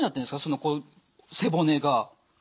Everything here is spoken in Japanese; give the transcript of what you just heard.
その背骨が。